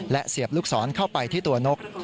และเสียบลูกศรเข้าไปที่ตัวนก